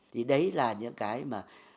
thì đấy là những cái mà